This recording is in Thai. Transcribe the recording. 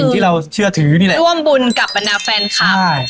ก็คือร่วมบุญกับปัญญาแฟนคลับ